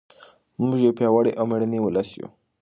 موږ یو پیاوړی او مېړنی ولس یو.